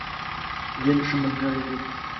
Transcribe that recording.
دین، ښه ملګری دی.